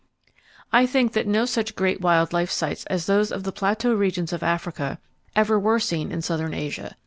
I think that no such great wild life sights as those of the plateau regions of Africa ever were seen in southern Asia.